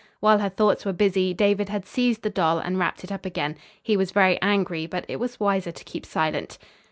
While her thoughts were busy, David had seized the doll and wrapped it up again. He was very angry, but it was wiser to keep silent.